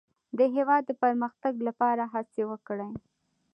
د هېواد د پرمختګ لپاره هڅې وکړئ.